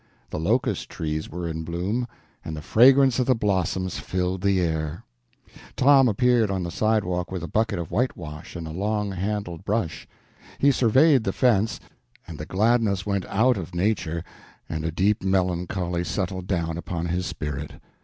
The locust trees were in bloom, and the fragrance of the blossoms filled the air. Tom appeared on the sidewalk with a bucket of whitewash and a long handled brush. He surveyed the fence, and the gladness went out of nature, and a deep melancholy settled down upon his spirit.